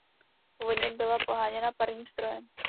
Původně byla poháněna parním strojem.